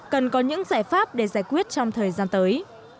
cần có những giải pháp để giải quyết trong thời gian tới